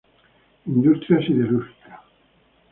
Industria siderúrgica